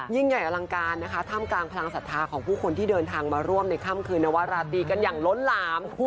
ยิ่งใหญ่อลังการนะคะท่ามกลางพลังศรัทธาของผู้คนที่เดินทางมาร่วมในค่ำคืนนวราตรีกันอย่างล้นหลาม